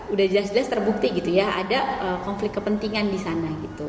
udah jelas jelas terbukti gitu ya ada konflik kepentingan di sana gitu